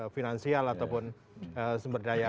finansial ataupun sumber daya